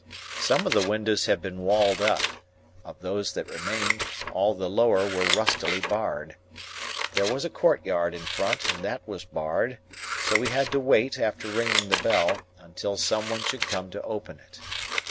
Some of the windows had been walled up; of those that remained, all the lower were rustily barred. There was a courtyard in front, and that was barred; so we had to wait, after ringing the bell, until some one should come to open it.